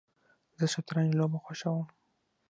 زه شطرنج لوبه خوښوم